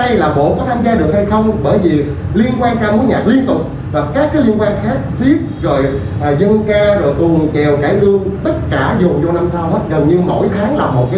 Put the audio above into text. gần như mỗi tháng là một cái liên quan